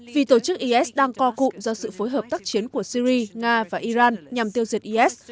vì tổ chức is đang co cụm do sự phối hợp tác chiến của syri nga và iran nhằm tiêu diệt is